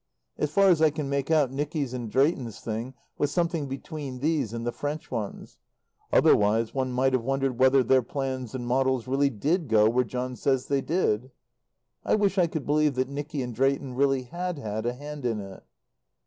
As far as I can make out Nicky's and Drayton's thing was something between these and the French ones; otherwise one might have wondered whether their plans and models really did go where John says they did! I wish I could believe that Nicky and Drayton really had had a hand in it.